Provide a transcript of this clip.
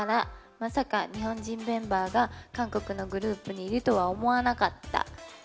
まさか日本人メンバーが韓国のグループにいるとは思わなかった。